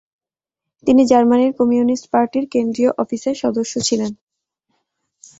তিনি জার্মানির কমিউনিস্ট পার্টির কেন্দ্রীয় অফিসের সদস্য ছিলেন।